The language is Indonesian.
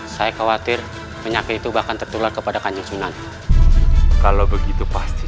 saya khawatir penyakit itu bahkan tertular kepada kanjeng tsunami kalau begitu pasti